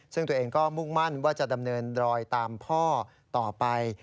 ซึ่งตัวเองก็มุ่งมั่นว่าจะดำเนินรอยตามพ่อต่อไป